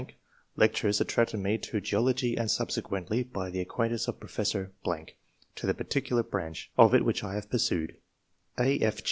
's lectures attracted me to geology, and subsequently, by the acquaintance of Professor ...., to the particular branch [of it which I have pursued]." (^.